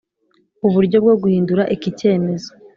uburyo bwo guhindura iki cyemezo.